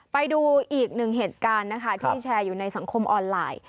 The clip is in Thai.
ไปดูอีกหนึ่งเหตุการณ์นะคะที่แชร์อยู่ในสังคมออนไลน์